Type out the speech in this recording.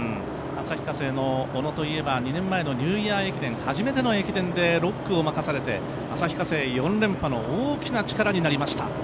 旭化成の小野といえば、２年前のニューイヤー駅伝初めての駅伝で６区を任されて旭化成４連覇の大きな力になりました。